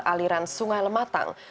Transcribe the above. aliran sungai lematang